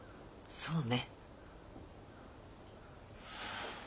そうね。